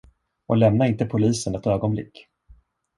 Och lämna inte polisen ett ögonblick.